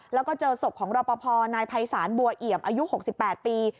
แล้วก็เจอศพของรอปภนายภัยศาลบัวเอี่ยมอายุ๖๘ปี